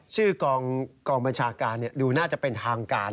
ชื่อกองบัญชาการดูน่าจะเป็นทางการ